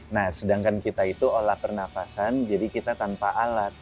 nah sedangkan kita itu olah pernafasan jadi kita tanpa alat